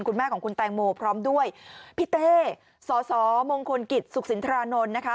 คุณแม่ของคุณแตงโมพร้อมด้วยพี่เต้สสมงคลกิจสุขสินทรานนท์นะคะ